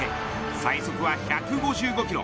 最速は１５５キロ